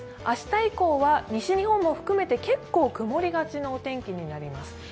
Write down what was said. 明日以降は西日本も含めて結構、曇りがちのお天気になります